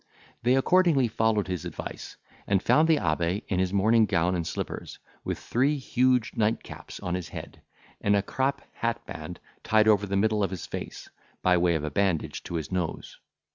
They accordingly followed his advice, and found the abbe in his morning gown and slippers, with three huge nightcaps on his head, and a crape hat band tied over the middle of his face, by way of bandage to his nose.